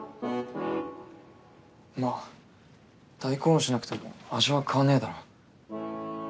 まあ大根おろしなくても味は変わんねぇだろう。